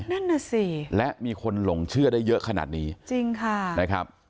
นั่นน่ะสิและมีคนหลงเชื่อได้เยอะขนาดนี้จริงค่ะนะครับ